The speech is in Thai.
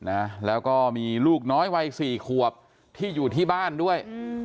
แล้วก็มีลูกน้อยวัย๔ขวบที่อยู่ที่บ้านด้วย